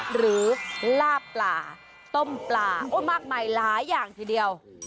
หรือลาบปลาต้มปลามากมายหลายอย่างทีเดียว